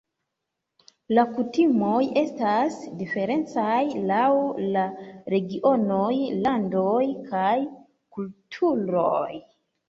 La kutimoj estas diferencaj laŭ la regionoj, landoj kaj kulturoj.